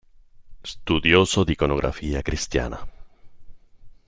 Studioso d'iconografia cristiana.